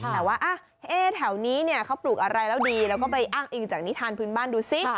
แต่ว่าแถวนี้เขาปลูกอะไรแล้วดีแล้วก็ไปอ้างอิงจากนิทานพื้นบ้านดูสิ